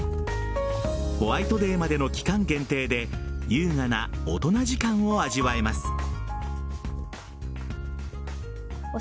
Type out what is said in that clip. ホワイトデーまでの期間限定で優雅なおとな時間を味わえます。